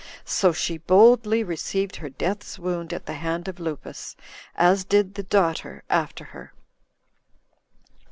So she boldly received her death's wound at the hand of Lupus, as did the daughter after her.